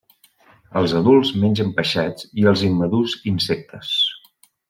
Els adults mengen peixets i els immadurs insectes.